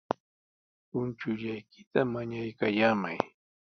Punchullaykita mañaykallamay.